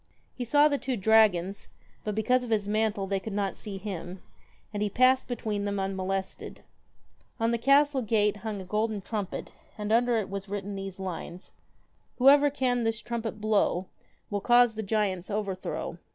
He saw the two dragons, but because of his mantle they could not see him, and he passed between 192 them unmolested. On the castle gate hung a JACK THE golden trumpet, and under it was written these .p.y^JT lines KILLER 1 Whoever can this trumpet blow Will cause the giant's overthrow.'